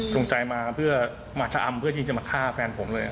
ตรงใจมาเพื่อมาชะอำเพื่อที่จะมาฆ่าแฟนผมเลย